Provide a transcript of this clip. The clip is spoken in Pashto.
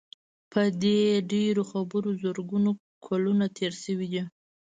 په دې ډېرو خبرو زرګونه کلونه تېر شوي دي.